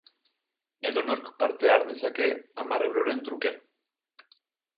Edonork parte har dezake hamar euroren truke.